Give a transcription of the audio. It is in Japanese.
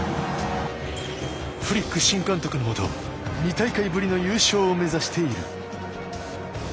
フリック新監督のもと２大会ぶりの優勝を目指している。